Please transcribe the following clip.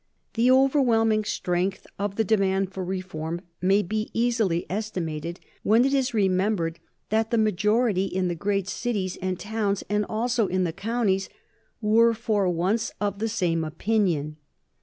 The overwhelming strength of the demand for reform may be easily estimated when it is remembered that the majority in the great cities and towns, and also in the counties, were for once of the same opinion.